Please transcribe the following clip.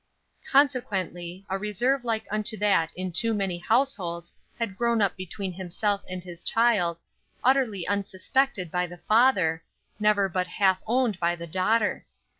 Consequently a reserve like unto that in too many households had grown up between himself and his child, utterly unsuspected by the father, never but half owned by the daughter.